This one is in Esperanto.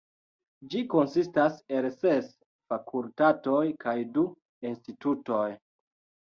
Ĝi konsistas el ses fakultatoj kaj du institutoj.